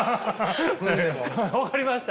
分かりました？